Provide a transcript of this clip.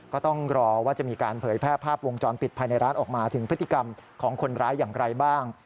ก็ต้องรอว่าจะมีการเผยแพร่ภาพวงจรปิดภายในร้านออกมาถึงพฤติกรรมของคนร้ายอย่างไรบ้าง